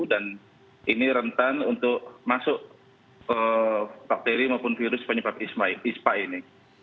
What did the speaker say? dan ini rentan untuk masuk bakteri maupun virus penyebab ispa ini